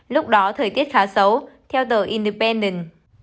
lúc đó thời tiết khá xấu theo tờ independent